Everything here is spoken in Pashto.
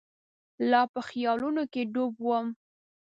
لا په خیالونو کې ډوب وم.